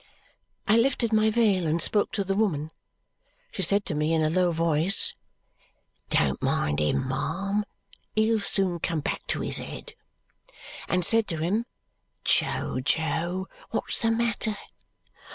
I lifted my veil and spoke to the woman. She said to me in a low voice, "Don't mind him, ma'am. He'll soon come back to his head," and said to him, "Jo, Jo, what's the matter?"